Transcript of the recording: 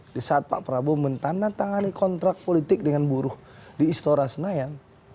di saat pak prabowo mentandatangani kontrak politik dengan buruh di istora senayan